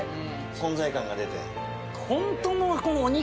存在感が出て。